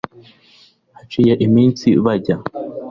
haciye iminsi bajya